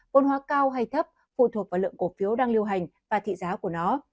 vốn hóa cao hay thấp phụ thuộc vào lượng cổ phiếu đang lưu hành và thị giá của nó